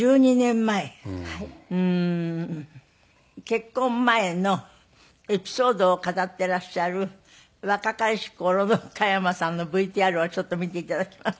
結婚前のエピソードを語っていらっしゃる若かりし頃の加山さんのＶＴＲをちょっと見て頂きます。